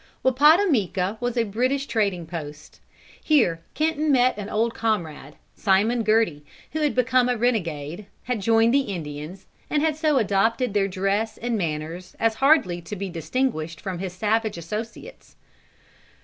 Wappatomica was a British trading post. Here Kenton met an old comrade, Simon Girty, who had become a renegade, had joined the Indians, and had so adopted their dress and manners as hardly to be distinguished from his savage associates.